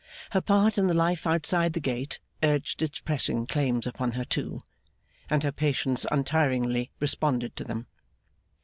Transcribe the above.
Her part in the life outside the gate urged its pressing claims upon her too, and her patience untiringly responded to them.